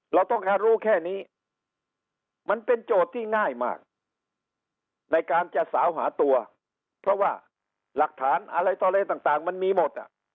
เราต้องการรู้แค่นี้มันเป็นโจทย์ที่ง่ายมากในการจะสาวหาตัวเพราะว่าหลักฐานอะไรต่ออะไรต่างมันมีหมด